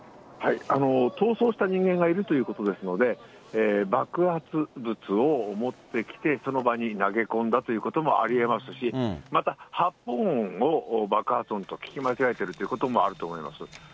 逃走した人間がいるということですので、爆発物を持ってきて、その場に投げ込んだということもありえますし、また発砲音を爆発音と聞き間違えているということもあると思います。